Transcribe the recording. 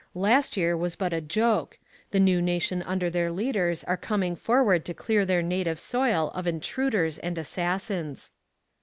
Last year was but a joke. The New Nation under their leaders are coming forward to clear their native soil of intruders and assassins.'